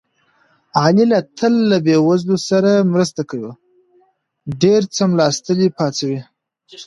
علي له تل له بې وزلو سره مرسته کوي. ډېر څملاستلي پاڅوي.